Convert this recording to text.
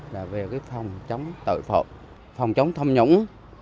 là về cái phòng chống tội phộng phòng chống thông nhũng